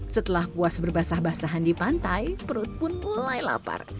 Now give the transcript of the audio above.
setelah puas berbasah basahan di pantai perut pun mulai lapar